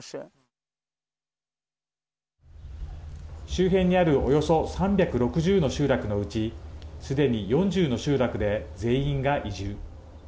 周辺にあるおよそ３６０の集落のうちすでに４０の集落で全員が移住。